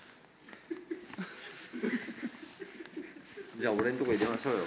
じゃあ俺んとこ入れましょうよ。